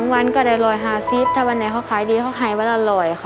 วันก็ได้๑๕๐ถ้าวันไหนเขาขายดีเขาขายวันอร่อยค่ะ